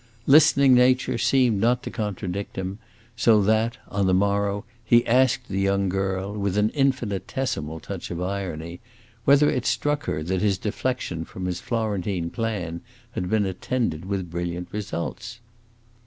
Listening nature seemed not to contradict him, so that, on the morrow, he asked the young girl, with an infinitesimal touch of irony, whether it struck her that his deflection from his Florentine plan had been attended with brilliant results.